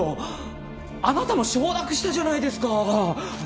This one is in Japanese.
あなたも承諾したじゃないですか！